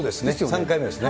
３回目ですね。